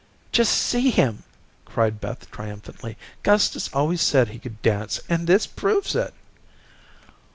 "Just see him," cried Beth triumphantly. "Gustus always said he could dance, and this proves it."